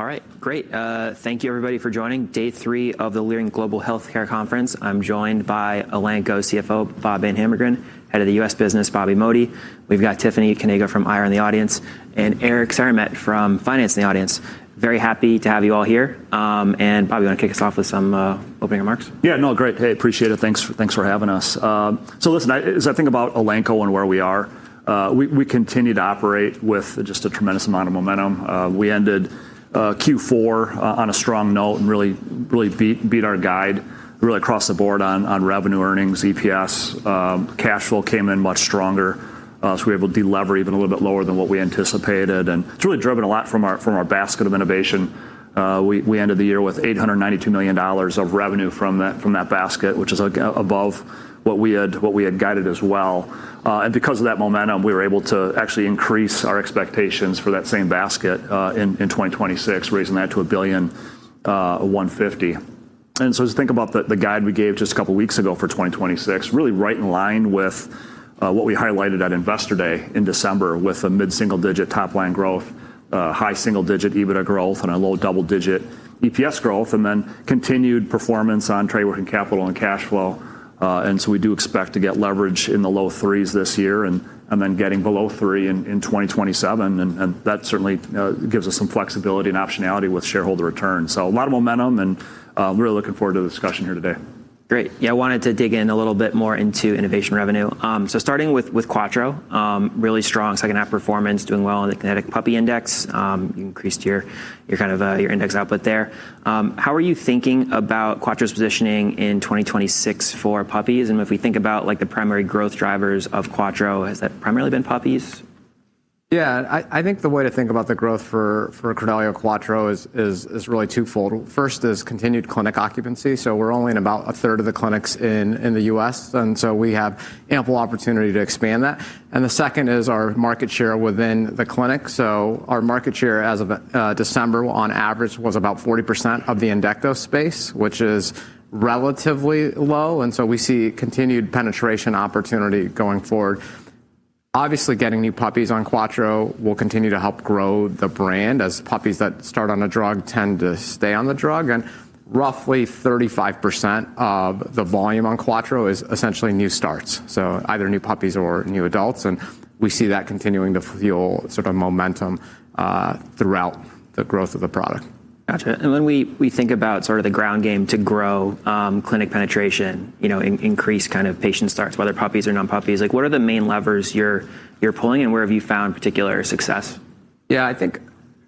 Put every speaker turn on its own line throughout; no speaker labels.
All right. Great. Thank you everybody for joining day three of the Leerink Partners global healthcare conference. I'm joined by Elanco CFO, Bob VanHimbergen, Head of the U.S. Business, Bobby Modi. We've got Tiffany Kanaga from IR in the audience, and Eric Saramet from Finance in the audience. Very happy to have you all here, and Bobby, you wanna kick us off with some opening remarks?
Yeah, no, great. Hey, appreciate it. Thanks for having us. As I think about Elanco and where we are, we continue to operate with just a tremendous amount of momentum. We ended Q4 on a strong note and really beat our guide across the board on revenue, earnings, EPS. Cash flow came in much stronger, so we're able to deliver even a little bit lower than what we anticipated. It's really driven a lot from our basket of innovation. We ended the year with $892 million of revenue from that basket, which is above what we had guided as well. Because of that momentum, we were able to actually increase our expectations for that same basket in 2026, raising that to $1.15 billion. Just think about the guide we gave just a couple weeks ago for 2026, really right in line with what we highlighted at Investor Day in December with a mid-single-digit top-line growth, high single-digit EBITDA growth, and a low double-digit EPS growth, and then continued performance on trade working capital and cash flow. We do expect to get leverage in the low 3s this year and then getting below three in 2027, and that certainly gives us some flexibility and optionality with shareholder returns. A lot of momentum and really looking forward to the discussion here today.
Great. Yeah, I wanted to dig in a little bit more into innovation revenue. So starting with Quattro, really strong H2 performance, doing well in the Kantar Puppy Index. You increased your kind of index output there. How are you thinking about Quattro's positioning in 2026 for puppies? If we think about like the primary growth drivers of Quattro, has that primarily been puppies?
Yeah. I think the way to think about the growth for Credelio Quattro is really twofold. First is continued clinic occupancy, so we're only in about 1/3 of the clinics in the U.S., and we have ample opportunity to expand that. The second is our market share within the clinic. Our market share as of December on average was about 40% of the endectocide space, which is relatively low, and we see continued penetration opportunity going forward. Obviously, getting new puppies on Quattro will continue to help grow the brand as puppies that start on a drug tend to stay on the drug, and roughly 35% of the volume on Quattro is essentially new starts, so either new puppies or new adults, and we see that continuing to fuel sort of momentum throughout the growth of the product.
Gotcha. When we think about sort of the ground game to grow, clinic penetration, you know, increase kind of patient starts, whether puppies or non-puppies, like what are the main levers you're pulling, and where have you found particular success?
Yeah, I think,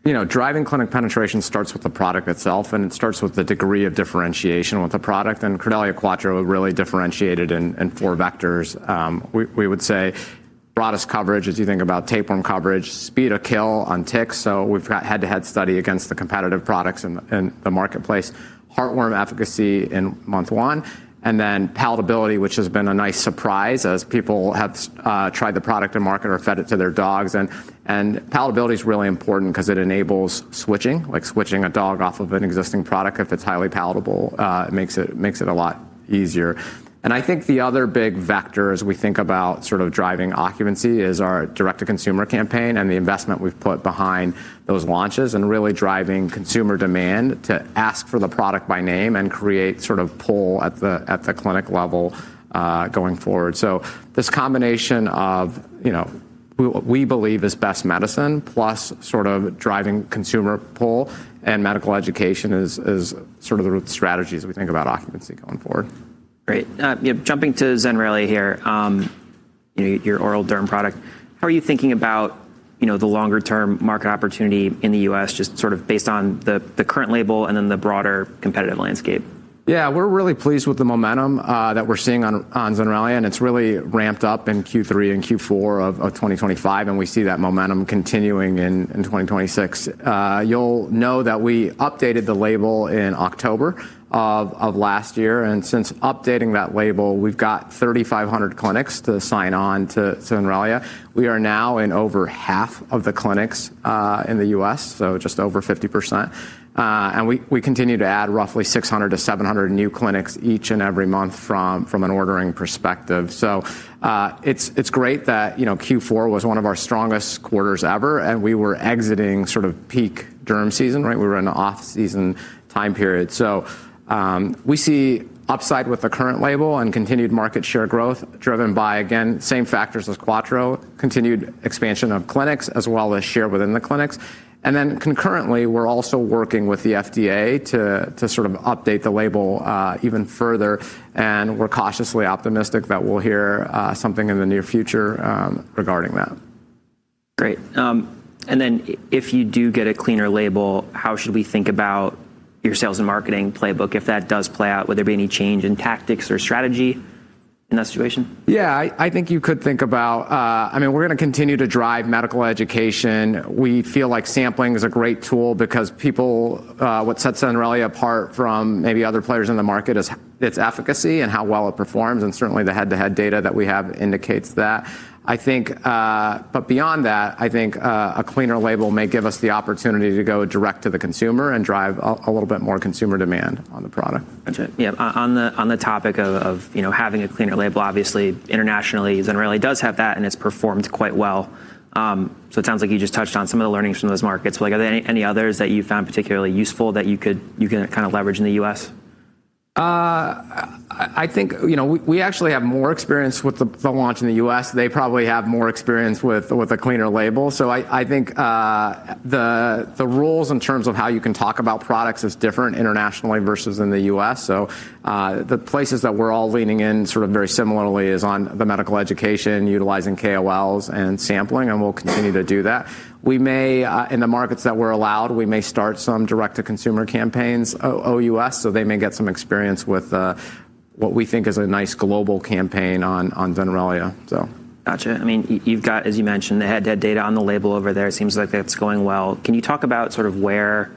you know, driving clinic penetration starts with the product itself, and it starts with the degree of differentiation with the product, and Credelio Quattro really differentiated in four vectors. We would say broadest coverage as you think about tapeworm coverage, speed of kill on ticks, so we've got head-to-head study against the competitive products in the marketplace. Heartworm efficacy in month one, and then palatability, which has been a nice surprise as people have tried the product in the market or fed it to their dogs. Palatability is really important 'cause it enables switching, like switching a dog off of an existing product if it's highly palatable, it makes it a lot easier. I think the other big vector as we think about sort of driving occupancy is our direct to consumer campaign and the investment we've put behind those launches and really driving consumer demand to ask for the product by name and create sort of pull at the clinic level going forward. This combination of, you know, we believe is best medicine plus sort of driving consumer pull and medical education is sort of the strategies we think about occupancy going forward.
Great. Yeah, jumping to Zenrelia here, you know, your oral derm product, how are you thinking about, you know, the longer term market opportunity in the U.S. just sort of based on the current label and then the broader competitive landscape?
Yeah, we're really pleased with the momentum that we're seeing on Zenrelia, and it's really ramped up in Q3 and Q4 of 2025, and we see that momentum continuing in 2026. You'll know that we updated the label in October of last year, and since updating that label, we've got 3,500 clinics to sign on to Zenrelia. We are now in over half of the clinics in the U.S., so just over 50%. We continue to add roughly 600-700 new clinics each and every month from an ordering perspective. It's great that, you know, Q4 was one of our strongest quarters ever, and we were exiting sort of peak derm season, right? We were in off-season time period. We see upside with the current label and continued market share growth driven by, again, same factors as Quattro, continued expansion of clinics as well as share within the clinics. Concurrently, we're also working with the FDA to sort of update the label even further, and we're cautiously optimistic that we'll hear something in the near future regarding that.
Great. If you do get a cleaner label, how should we think about your sales and marketing playbook? If that does play out, would there be any change in tactics or strategy in that situation?
Yeah, I think you could think about. I mean, we're gonna continue to drive medical education. We feel like sampling is a great tool because people, what sets Zenrelia apart from maybe other players in the market is its efficacy and how well it performs, and certainly the head-to-head data that we have indicates that. I think, but beyond that, I think, a cleaner label may give us the opportunity to go direct to the consumer and drive a little bit more consumer demand on the product.
Gotcha. Yeah. On the topic of, you know, having a cleaner label, obviously internationally, Zenrelia does have that, and it's performed quite well. So it sounds like you just touched on some of the learnings from those markets. Like, are there any others that you found particularly useful that you can kinda leverage in the U.S.?
I think, you know, we actually have more experience with the launch in the U.S. They probably have more experience with a cleaner label. I think the rules in terms of how you can talk about products is different internationally versus in the U.S. The places that we're all leaning in sort of very similarly is on the medical education, utilizing KOLs and sampling, and we'll continue to do that. We may in the markets that we're allowed, we may start some direct-to-consumer campaigns, OUS, so they may get some experience with what we think is a nice global campaign on Zenrelia.
Gotcha. I mean, you've got, as you mentioned, the head-to-head data on the label over there. It seems like that's going well. Can you talk about sort of where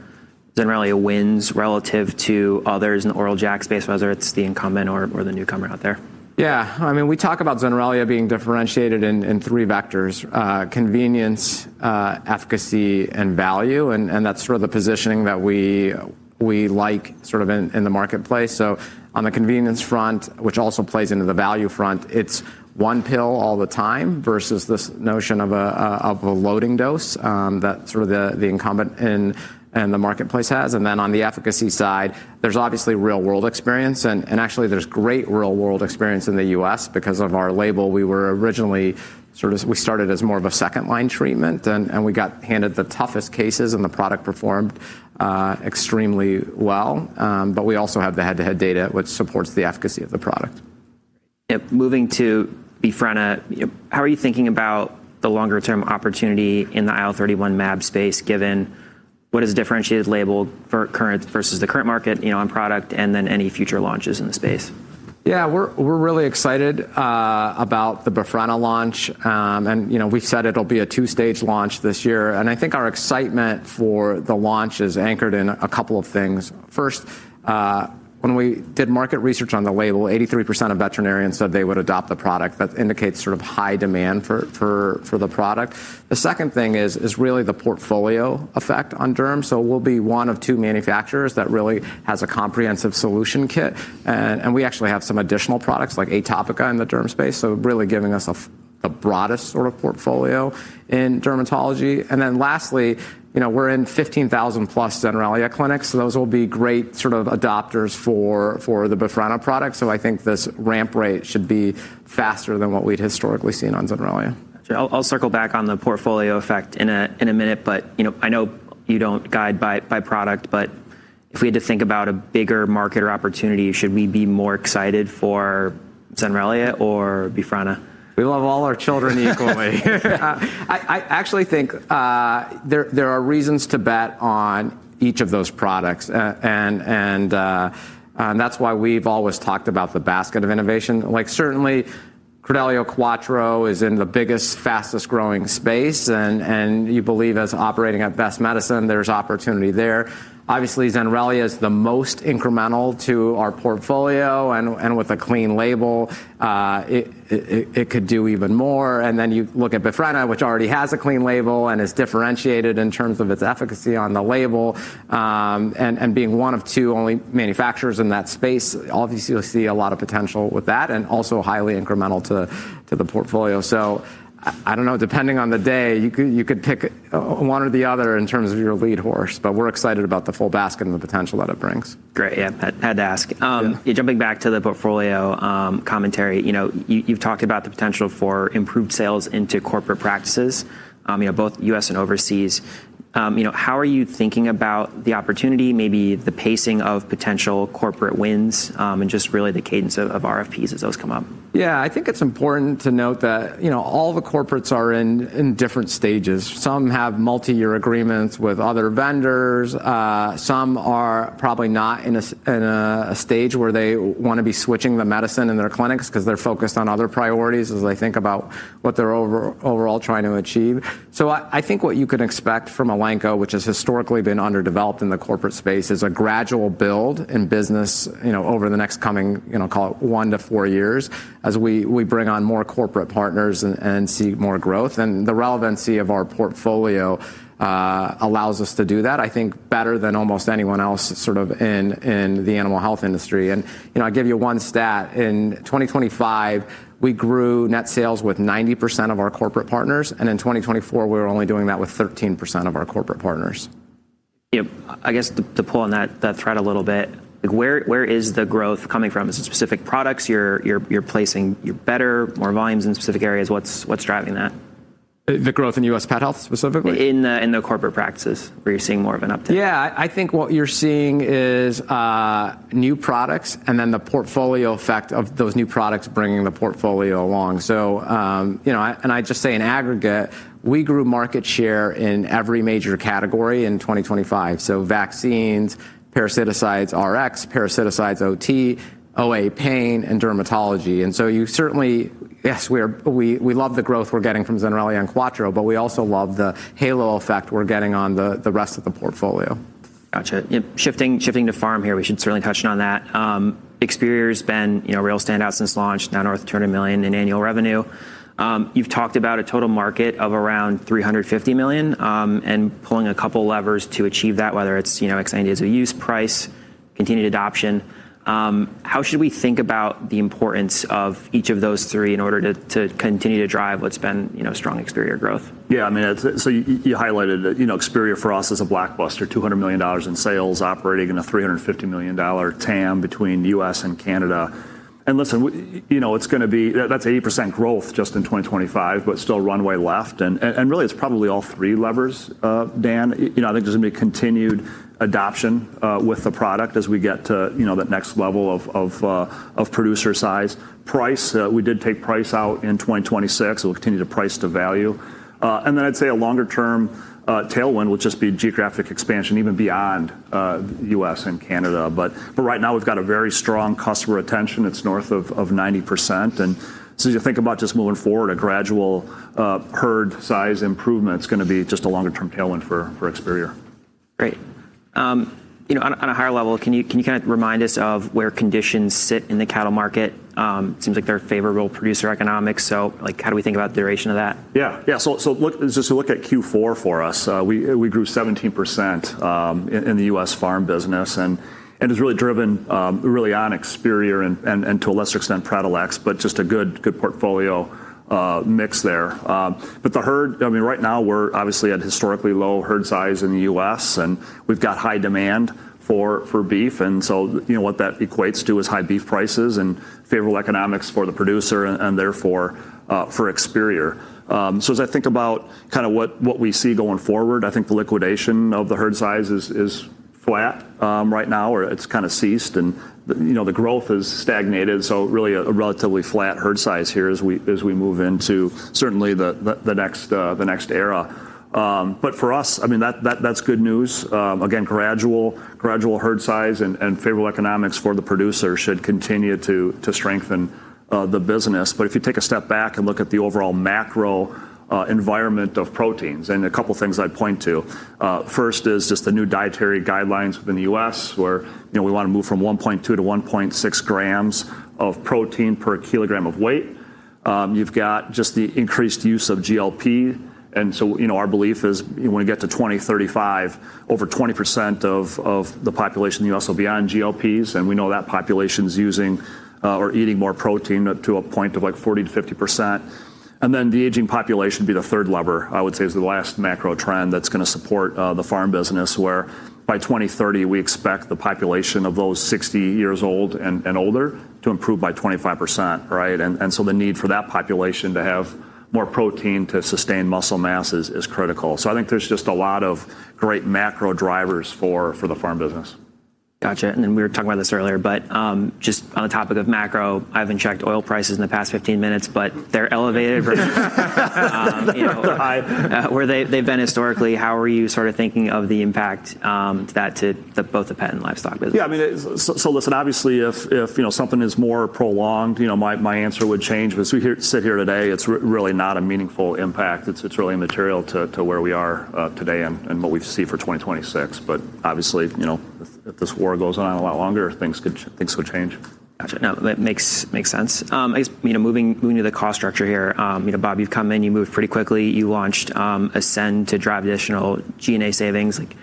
Zenrelia wins relative to others in the oral JAK space, whether it's the incumbent or the newcomer out there?
I mean, we talk about Zenrelia being differentiated in three vectors: convenience, efficacy, and value. That's sort of the positioning that we like sort of in the marketplace. On the convenience front, which also plays into the value front, it's one pill all the time versus this notion of a loading dose that the incumbent in the marketplace has. Then on the efficacy side, there's obviously real-world experience and actually there's great real-world experience in the U.S. because of our label. We started as more of a second-line treatment and we got handed the toughest cases and the product performed extremely well. But we also have the head-to-head data which supports the efficacy of the product.
Yep. Moving to Befrena, how are you thinking about the longer-term opportunity in the IL-31 mAb space given what is differentiated label for current versus the current market, you know, on product and then any future launches in the space?
Yeah. We're really excited about the Befrena launch. You know, we said it'll be a two-stage launch this year, and I think our excitement for the launch is anchored in a couple of things. First, when we did market research on the label, 83% of veterinarians said they would adopt the product. That indicates sort of high demand for the product. The second thing is really the portfolio effect on derm. We'll be one of two manufacturers that really has a comprehensive solution kit. We actually have some additional products like Atopica in the derm space, so really giving us the broadest sort of portfolio in dermatology. Lastly, you know, we're in 15,000+ Zenrelia clinics, so those will be great sort of adopters for the Befrena product. I think this ramp rate should be faster than what we'd historically seen on Zenrelia.
Gotcha. I'll circle back on the portfolio effect in a minute, but, you know, I know you don't guide by product, but if we had to think about a bigger market or opportunity, should we be more excited for Zenrelia or Befrena?
We love all our children equally. I actually think there are reasons to bet on each of those products. That's why we've always talked about the basket of innovation. Like certainly, Credelio Quattro is in the biggest, fastest-growing space and you believe as operating at best medicine, there's opportunity there. Obviously, Zenrelia is the most incremental to our portfolio and with a clean label, it could do even more. You look at Befrena, which already has a clean label and is differentiated in terms of its efficacy on the label, and being one of only two manufacturers in that space, obviously you'll see a lot of potential with that and also highly incremental to the portfolio. I don't know. Depending on the day, you could pick one or the other in terms of your lead horse, but we're excited about the full basket and the potential that it brings.
Great. Yeah. Had to ask.
Yeah.
Jumping back to the portfolio, commentary. You know, you've talked about the potential for improved sales into corporate practices, you know, both U.S. and overseas. You know, how are you thinking about the opportunity, maybe the pacing of potential corporate wins, and just really the cadence of RFPs as those come up?
Yeah. I think it's important to note that, you know, all the corporates are in different stages. Some have multi-year agreements with other vendors. Some are probably not in a stage where they want to be switching the medicine in their clinics because they're focused on other priorities as they think about what they're overall trying to achieve. I think what you can expect from Elanco, which has historically been underdeveloped in the corporate space, is a gradual build in business, you know, over the next coming, you know, call it one to four years as we bring on more corporate partners and seek more growth. The relevancy of our portfolio allows us to do that, I think better than almost anyone else sort of in the animal health industry. You know, I'll give you one stat. In 2025, we grew net sales with 90% of our corporate partners, and in 2024, we were only doing that with 13% of our corporate partners.
Yep. I guess to pull on that thread a little bit, where is the growth coming from? Is it specific products you're placing better, more volumes in specific areas? What's driving that?
The growth in U.S. pet health specifically?
In the corporate practices, where you're seeing more of an uptick.
Yeah. I think what you're seeing is new products and then the portfolio effect of those new products bringing the portfolio along. You know, I just say in aggregate, we grew market share in every major category in 2025. Vaccines, parasiticides, Rx, OTC, OA, pain, and dermatology. You certainly. Yes, we love the growth we're getting from Zenrelia and Quattro, but we also love the halo effect we're getting on the rest of the portfolio.
Gotcha. Yep. Shifting to farm here, we should certainly touch on that. Experior's been, you know, a real standout since launch, now north of $200 million in annual revenue. You've talked about a total market of around $350 million, and pulling a couple levers to achieve that, whether it's, you know, expanding days of use, price, continued adoption. How should we think about the importance of each of those three in order to continue to drive what's been, you know, strong Experior growth?
Yeah, I mean, so you highlighted that, you know, Experior for us is a blockbuster, $200 million in sales operating in a $350 million TAM between U.S. and Canada. Listen, you know, it's going to be. That's 80% growth just in 2025, but still runway left, and really it's probably all three levers, Dan. You know, I think there's going to be continued adoption with the product as we get to, you know, that next level of producer size. Price, we did take price out in 2026. We'll continue to price to value. And then I'd say a longer term tailwind will just be geographic expansion even beyond U.S. and Canada. Right now, we've got a very strong customer retention. It's north of 90%. As you think about just moving forward, a gradual herd size improvement's gonna be just a longer term tailwind for Experior.
Great. You know, on a higher level, can you kind of remind us of where conditions sit in the cattle market? Seems like they're favorable producer economics, so, like, how do we think about duration of that?
Yeah. Just to look at Q4 for us, we grew 17% in the U.S. farm business and it's really driven really on Experior and to a lesser extent, Pratolex, but just a good portfolio mix there. But the herd, I mean, right now we're obviously at historically low herd size in the U.S., and we've got high demand for beef, and so you know, what that equates to is high beef prices and favorable economics for the producer and therefore for Experior. As I think about kinda what we see going forward, I think the liquidation of the herd size is flat right now, or it's kinda ceased, and you know, the growth has stagnated, so really a relatively flat herd size here as we move into certainly the next era. For us, I mean, that's good news. Again, gradual herd size and favorable economics for the producer should continue to strengthen the business. If you take a step back and look at the overall macro environment of proteins, and a couple things I'd point to. First is just the new dietary guidelines within the U.S. where, you know, we wanna move from 1.2-1.6 grams of protein per kilogram of weight. You've got just the increased use of GLP-1, and so, you know, our belief is when we get to 2035, over 20% of the population in the U.S. will be on GLPs, and we know that population's using or eating more protein to a point of like 40%-50%. The aging population would be the third lever. I would say is the last macro trend that's gonna support the farm business, where by 2030, we expect the population of those 60 years old and older to improve by 25%. The need for that population to have more protein to sustain muscle mass is critical. I think there's just a lot of great macro drivers for the farm business.
Gotcha, we were talking about this earlier, but just on the topic of macro, I haven't checked oil prices in the past 15 minutes, but they're elevated versus
High
you know, where they've been historically. How are you sort of thinking of the impact to that, to both the pet and livestock business?
Yeah, I mean, so listen, obviously if you know, something is more prolonged, you know, my answer would change. As we sit here today, it's really not a meaningful impact. It's really immaterial to where we are today and what we see for 2026. Obviously, you know, if this war goes on a lot longer, things could change.
Gotcha. No, that makes sense. I guess, you know, moving to the cost structure here, you know, Bob, you've come in, you moved pretty quickly. You launched Ascend to drive additional G&A savings. Like,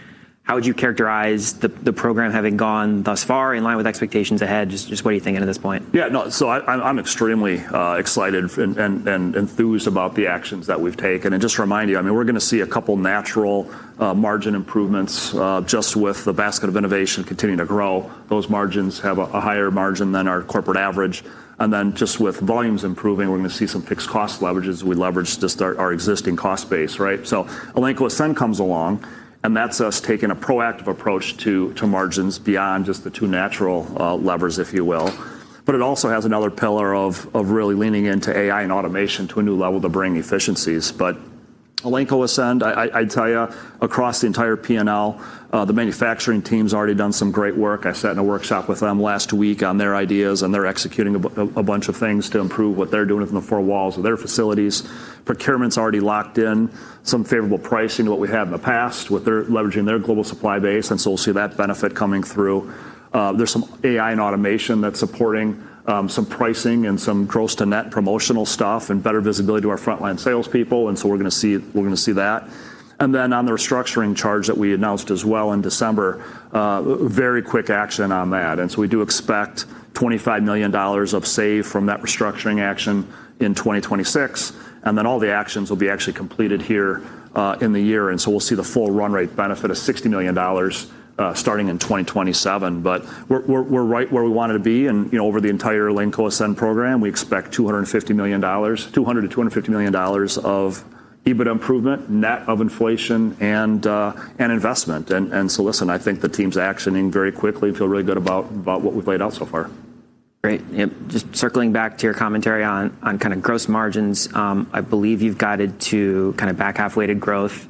how would you characterize the program having gone thus far in line with expectations ahead? Just what are you thinking at this point?
Yeah. No, I'm extremely excited and enthused about the actions that we've taken. Just to remind you, I mean, we're gonna see a couple natural margin improvements just with the basket of innovation continuing to grow. Those margins have a higher margin than our corporate average. Just with volumes improving, we're gonna see some fixed cost leverages. We leveraged just our existing cost base, right? Elanco Ascend comes along, and that's us taking a proactive approach to margins beyond just the two natural levers, if you will. It also has another pillar of really leaning into AI and automation to a new level to bring efficiencies. Elanco Ascend, I'd tell you, across the entire P&L, the manufacturing team's already done some great work. I sat in a workshop with them last week on their ideas, and they're executing a bunch of things to improve what they're doing within the four walls of their facilities. Procurement's already locked in some favorable pricing to what we had in the past with their leveraging their global supply base, and so we'll see that benefit coming through. There's some AI and automation that's supporting some pricing and some gross to net promotional stuff and better visibility to our frontline salespeople, and so we're gonna see that. Then on the restructuring charge that we announced as well in December, very quick action on that. We do expect $25 million of savings from that restructuring action in 2026, and then all the actions will be actually completed here in the year, and so we'll see the full run rate benefit of $60 million starting in 2027. We're right where we wanted to be and, you know, over the entire Elanco Ascend program, we expect $250 million, $200 million-$250 million of EBIT improvement, net of inflation and investment. Listen, I think the team's actioning very quickly. Feel really good about what we've laid out so far.
Great. Yep. Just circling back to your commentary on kind of gross margins, I believe you've guided to kind of back half weighted growth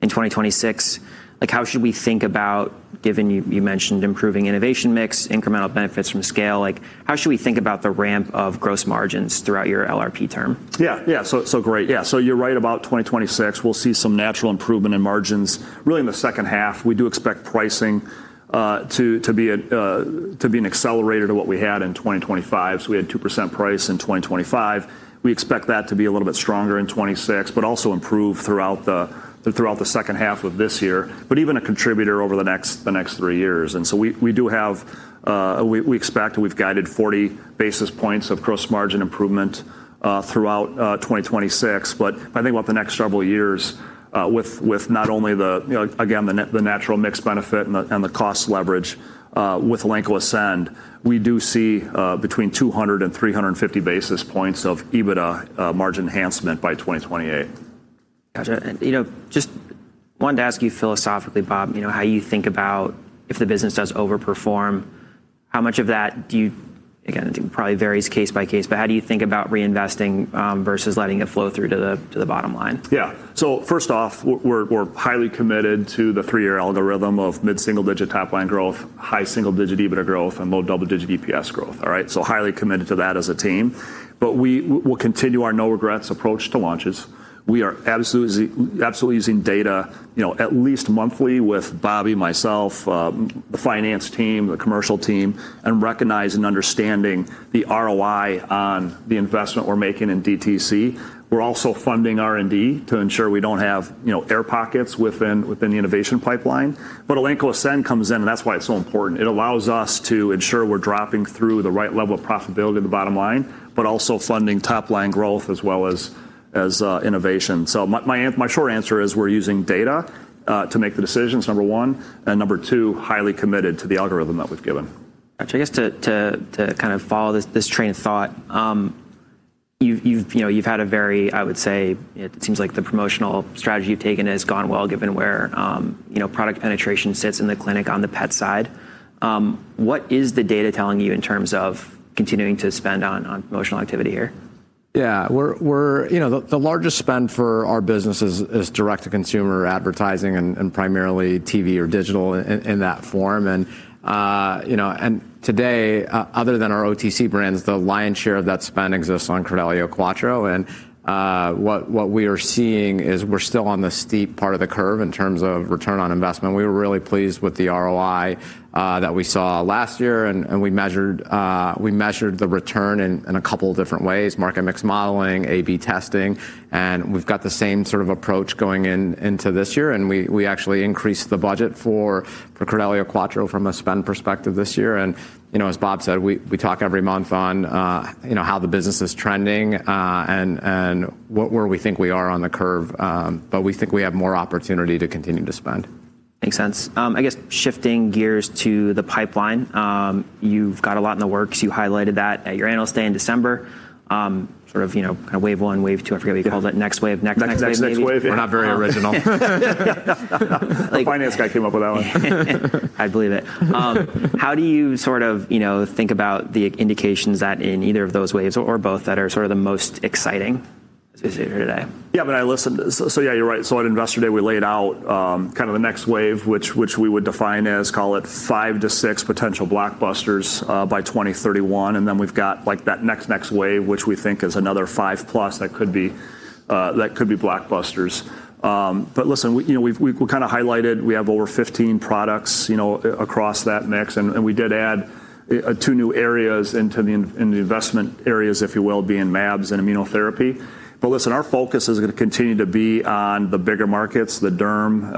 in 2026, like how should we think about, given you mentioned improving innovation mix, incremental benefits from scale, like how should we think about the ramp of gross margins throughout your LRP term?
Yeah. Great. You're right about 2026. We'll see some natural improvement in margins really in the H2. We do expect pricing to be an accelerator to what we had in 2025. We had 2% price in 2025. We expect that to be a little bit stronger in 2026, but also improve throughout the H2 of this year, but even a contributor over the next three years. We expect and we've guided 40 basis points of gross margin improvement throughout 2026. I think about the next several years, with not only the, you know, again, the natural mix benefit and the cost leverage, with Elanco Ascend, we do see between 200 and 350 basis points of EBITDA margin enhancement by 2028.
Gotcha. You know, just wanted to ask you philosophically, Bob, you know, how you think about if the business does overperform, how much of that do you? Again, it probably varies case by case, but how do you think about reinvesting versus letting it flow through to the bottom line?
First off, we're highly committed to the three-year algorithm of mid-single-digit top line growth, high single-digit EBITDA growth, and low double-digit EPS growth. All right? Highly committed to that as a team. We will continue our no regrets approach to launches. We are absolutely using data, you know, at least monthly with Bobby, myself, the finance team, the commercial team, and recognizing and understanding the ROI on the investment we're making in DTC. We're also funding R&D to ensure we don't have, you know, air pockets within the innovation pipeline. Elanco Ascend comes in, and that's why it's so important. It allows us to ensure we're dropping through the right level of profitability to the bottom line, but also funding top line growth as well as innovation. My short answer is we're using data to make the decisions, number one, and number two, highly committed to the algorithm that we've given.
Got you. I guess to kind of follow this train of thought, you know, you've had a very, I would say, it seems like the promotional strategy you've taken has gone well, given where, you know, product penetration sits in the clinic on the pet side. What is the data telling you in terms of continuing to spend on promotional activity here?
Yeah. You know, the largest spend for our business is direct to consumer advertising and primarily TV or digital in that form. You know, today, other than our OTC brands, the lion's share of that spend exists on Credelio Quattro. What we are seeing is we're still on the steep part of the curve in terms of return on investment. We were really pleased with the ROI that we saw last year, and we measured the return in a couple different ways, market mix modeling, A/B testing, and we've got the same sort of approach going into this year, and we actually increased the budget for Credelio Quattro from a spend perspective this year. You know, as Bob said, we talk every month on, you know, how the business is trending, and where we think we are on the curve. But we think we have more opportunity to continue to spend.
Makes sense. I guess shifting gears to the pipeline, you've got a lot in the works. You highlighted that at your Investor Day in December, sort of, you know, kinda wave one, wave two, I forget what you called it, next wave, next next wave maybe.
Next wave.
We're not very original.
The finance guy came up with that one.
I believe it. How do you sort of, you know, think about the indications that in either of those waves or both that are sort of the most exciting today?
Yeah, you're right. At Investor Day, we laid out kind of the next wave, which we would define as call it five-six potential blockbusters by 2031. Then we've got like that next next wave, which we think is another five plus that could be blockbusters. Listen, you know, we've kind of highlighted we have over 15 products, you know, across that mix, and we did add two new areas into the investment areas, if you will, being mAbs and immunotherapy. Listen, our focus is gonna continue to be on the bigger markets, the derm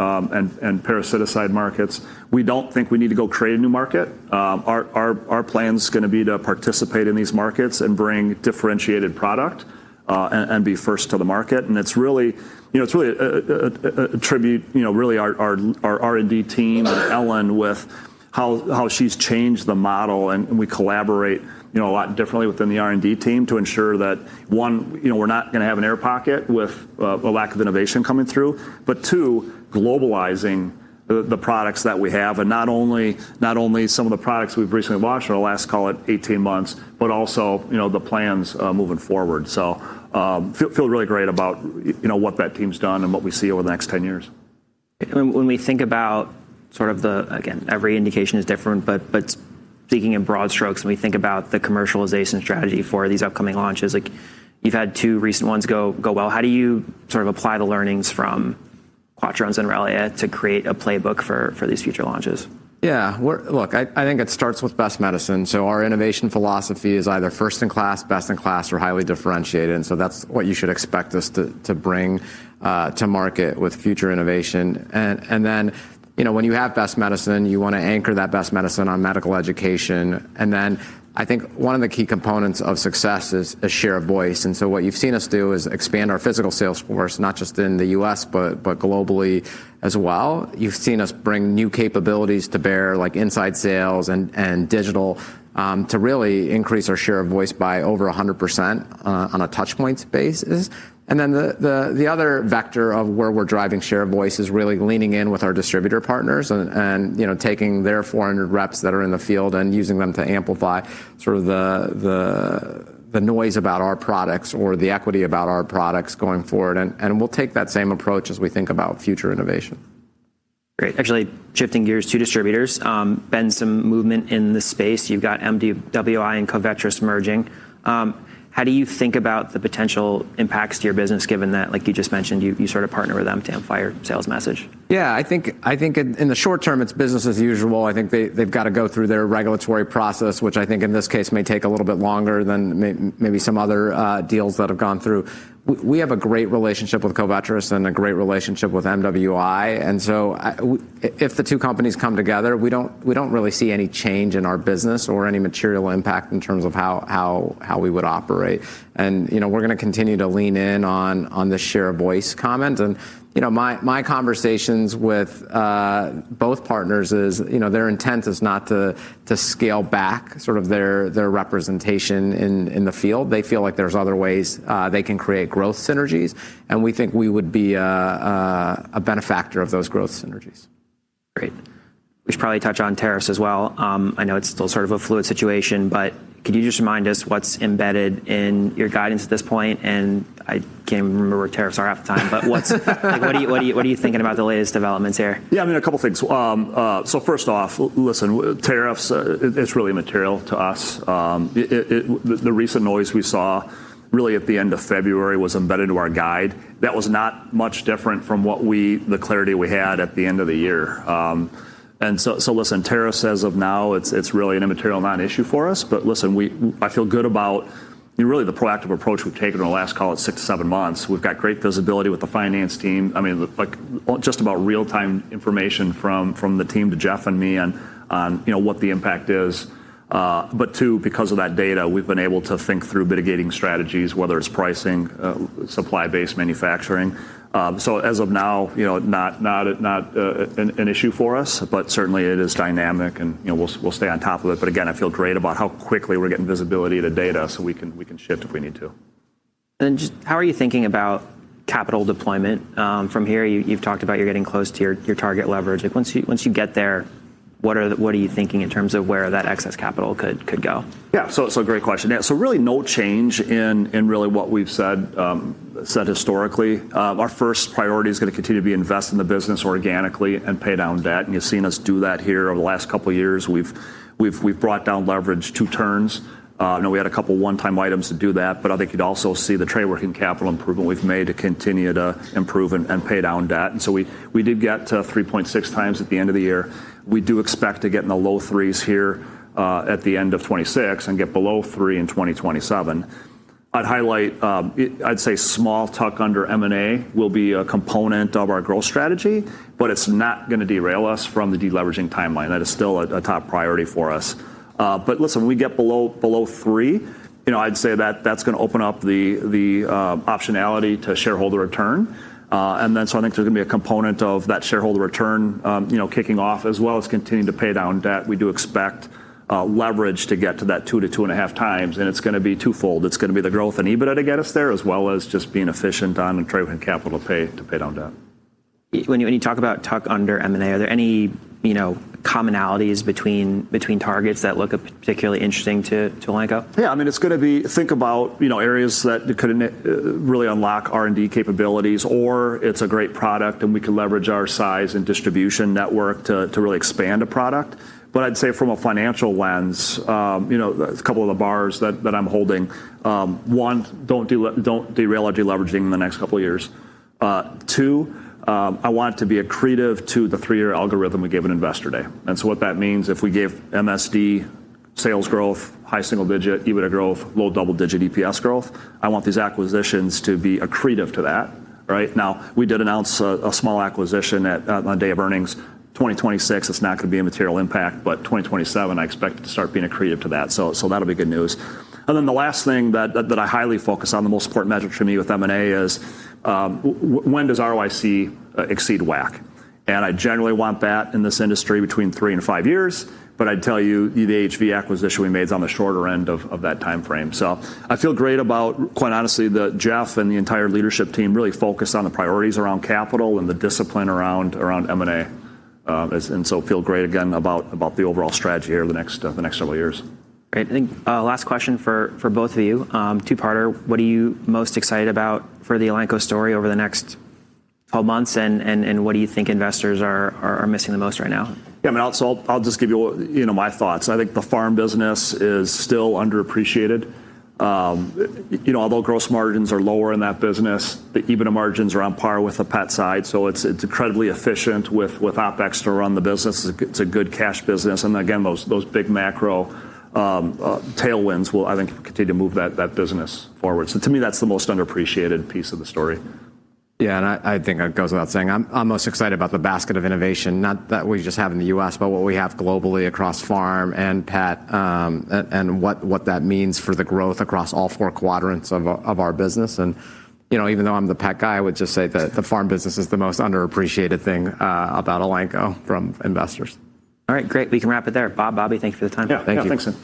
and parasiticide markets. We don't think we need to go create a new market. Our plan's gonna be to participate in these markets and bring differentiated product, and be first to the market. It's really, you know, it's really a tribute, you know, really our R&D team and Ellen with how she's changed the model and we collaborate, you know, a lot differently within the R&D team to ensure that, one, you know, we're not gonna have an air pocket with a lack of innovation coming through, but two, globalizing the products that we have, and not only some of the products we've recently launched in the last, call it 18 months, but also, you know, the plans moving forward. Feel really great about, you know, what that team's done and what we see over the next 10 years.
When we think about sort of the, again, every indication is different, but speaking in broad strokes, when we think about the commercialization strategy for these upcoming launches, like you've had two recent ones go well. How do you sort of apply the learnings from Credelio Quattro and Zenrelia to create a playbook for these future launches?
Yeah. Look, I think it starts with best medicine. Our innovation philosophy is either first in class, best in class, or highly differentiated, and that's what you should expect us to bring to market with future innovation. Then, you know, when you have best medicine, you wanna anchor that best medicine on medical education. I think one of the key components of success is a share of voice. What you've seen us do is expand our physical sales force, not just in the U.S., but globally as well. You've seen us bring new capabilities to bear, like inside sales and digital, to really increase our share of voice by over 100%, on a touchpoints basis. The other vector of where we're driving share of voice is really leaning in with our distributor partners and you know, taking their 400 reps that are in the field and using them to amplify sort of the noise about our products or the equity about our products going forward. We'll take that same approach as we think about future innovation.
Great. Actually shifting gears to distributors, been some movement in the space. You've got MWI and Covetrus merging. How do you think about the potential impacts to your business given that, like you just mentioned, you sort of partner with them to amplify your sales message?
Yeah. I think in the short term it's business as usual. I think they've gotta go through their regulatory process, which I think in this case may take a little bit longer than maybe some other deals that have gone through. We have a great relationship with Covetrus and a great relationship with MWI, and so if the two companies come together, we don't really see any change in our business or any material impact in terms of how we would operate. You know, we're gonna continue to lean in on the share of voice comment. You know, my conversations with both partners is, you know, their intent is not to scale back sort of their representation in the field. They feel like there's other ways they can create growth synergies, and we think we would be a benefactor of those growth synergies.
Great. We should probably touch on tariffs as well. I know it's still sort of a fluid situation, but could you just remind us what's embedded in your guidance at this point? I can't even remember what tariffs are half the time. Like, what are you thinking about the latest developments here?
Yeah, I mean, a couple things. First off, listen, tariffs, it's really immaterial to us. The recent noise we saw really at the end of February was embedded into our guide. That was not much different from the clarity we had at the end of the year. Listen, tariffs as of now, it's really an immaterial non-issue for us. Listen, I feel good about really the proactive approach we've taken in the last, call it, six to seven months. We've got great visibility with the finance team. I mean, like, just about real-time information from the team to Jeff and me on, you know, what the impact is. two, because of that data, we've been able to think through mitigating strategies, whether it's pricing, supply base manufacturing. As of now, you know, not an issue for us, but certainly it is dynamic and, you know, we'll stay on top of it. Again, I feel great about how quickly we're getting visibility to data so we can shift if we need to.
Just how are you thinking about capital deployment from here? You've talked about you're getting close to your target leverage. Like once you get there, what are you thinking in terms of where that excess capital could go?
Great question. Yeah, so really no change in really what we've said historically. Our first priority is gonna continue to be invest in the business organically and pay down debt, and you've seen us do that here over the last couple years. We've brought down leverage 2 turns. You know, we had a couple one-time items to do that, but I think you'd also see the trade working capital improvement we've made to continue to improve and pay down debt. We did get to 3.6 times at the end of the year. We do expect to get in the low threes here at the end of 2026 and get below 3 in 2027. I'd highlight it. I'd say small tuck under M&A will be a component of our growth strategy, but it's not gonna derail us from the deleveraging timeline. That is still a top priority for us. Listen, we get below three, you know, I'd say that that's gonna open up the optionality to shareholder return. I think there's gonna be a component of that shareholder return, you know, kicking off as well as continuing to pay down debt. We do expect leverage to get to that 2-2.5x, and it's gonna be twofold. It's gonna be the growth in EBITDA to get us there, as well as just being efficient on the trade working capital pay to pay down debt.
When you talk about tuck under M&A, are there any, you know, commonalities between targets that look particularly interesting to Elanco?
Yeah, I mean, it's gonna be think about, you know, areas that could really unlock R&D capabilities or it's a great product and we can leverage our size and distribution network to really expand a product. I'd say from a financial lens, you know, a couple of the bars that I'm holding: one, don't derail our deleveraging in the next couple years; two, I want it to be accretive to the three-year algorithm we gave on Investor Day. What that means, if we gave MSD sales growth high single-digit, EBITDA growth low double-digit, EPS growth, I want these acquisitions to be accretive to that. Right now we did announce a small acquisition at, on day of earnings. 2026, it's not gonna be a material impact, but 2027 I expect it to start being accretive to that, so that'll be good news. Then the last thing that I highly focus on, the most important measure for me with M&A is when does ROIC exceed WACC? I generally want that in this industry between three and five years, but I'd tell you, the HV acquisition we made is on the shorter end of that timeframe. I feel great about, quite honestly, that Jeff and the entire leadership team really focused on the priorities around capital and the discipline around M&A. Feel great again about the overall strategy over the next several years.
Great. I think last question for both of you, two-parter. What are you most excited about for the Elanco story over the next 12 months, and what do you think investors are missing the most right now?
I mean, I'll just give you know, my thoughts. I think the pharm business is still underappreciated. You know, although gross margins are lower in that business, the EBITDA margins are on par with the pet side, so it's incredibly efficient with OpEx to run the business. It's a good cash business, and again, those big macro tailwinds will, I think, continue to move that business forward. To me, that's the most underappreciated piece of the story.
I think it goes without saying, I'm most excited about the basket of innovation, not that we just have in the U.S., but what we have globally across pharm and pet, and what that means for the growth across all four quadrants of our business. You know, even though I'm the pet guy, I would just say that the pharm business is the most underappreciated thing about Elanco from investors.
All right. Great. We can wrap it there. Bob, Bobby, thank you for the time.
Yeah. Thank you.
Yeah. Thanks.